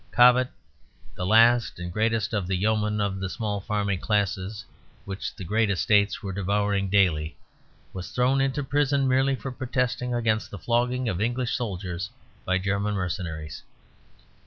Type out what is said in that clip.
Cobbett, the last and greatest of the yeomen, of the small farming class which the great estates were devouring daily, was thrown into prison merely for protesting against the flogging of English soldiers by German mercenaries.